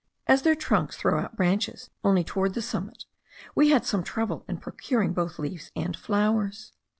As their trunks throw out branches only toward the summit, we had some trouble in procuring both leaves and flowers.